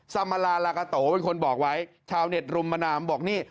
สัมลาลากาโตเป็นคนบอกไว้ชาวเน็ตรุมมานามบอกนี่